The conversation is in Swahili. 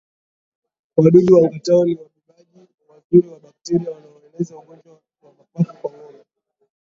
Wadudu wangatao ni wabebaji wazuri wa bakteria wanaoeneza ugonjwa wa mapafu kwa ngombe